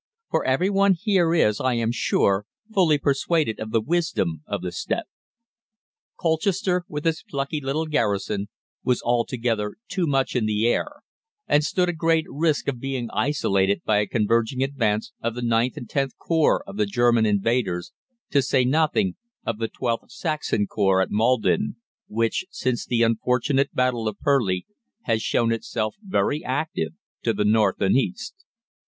For every one here is, I am sure, fully persuaded of the wisdom of the step. Colchester, with its plucky little garrison, was altogether too much 'in the air,' and stood a great risk of being isolated by a converging advance of the IXth and Xth Corps of the German invaders, to say nothing of the XIIth (Saxon) Corps at Maldon, which since the unfortunate battle of Purleigh has shown itself very active to the north and east.